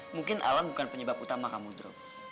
mungkin alam bukan penyebab utama kamu drop